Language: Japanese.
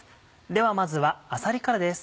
ではまずはあさりからです。